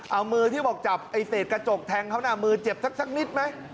เอามือที่บอกจับไอ้เศษกระจกแทงเขาน่ะมือเจ็บสักนิดไหม